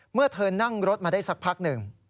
เมื่อเธอนั่งรถมาได้สักพักหนึ่ง